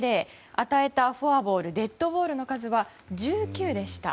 与えたフォアボールデッドボールの数は１９でした。